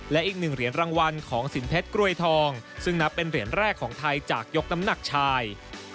และอีกหนึ่งเหรียญรางวัลของสินเพชรกล้วยทองซึ่งนับเป็นเหรียญแรกของไทยจากยกน้ำหนักชาย